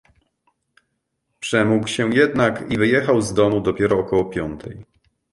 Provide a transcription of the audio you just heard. "Przemógł się jednak i wyjechał z domu dopiero około piątej."